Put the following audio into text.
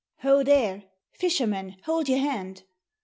"Ho, there! Fisherman, hold your hand!